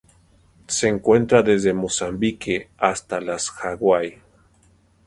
Se encuentra desde Mozambique hasta las Hawaii.